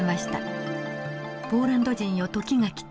「ポーランド人よ時が来た。